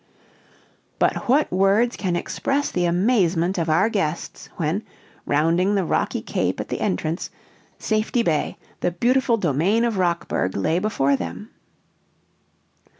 But what words can express the amazement of our guests, when, rounding the Rocky Cape at the entrance, Safety Bay, the beautiful domain of Rockburg lay before them.